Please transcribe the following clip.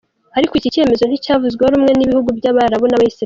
Ariko iki cyemezo nticyavuzweho rumwe n’ibihugu by’Abarabu n’Abayisilamu.